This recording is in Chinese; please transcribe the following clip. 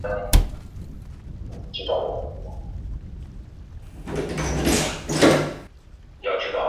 龙津铁角蕨为铁角蕨科铁角蕨属下的一个种。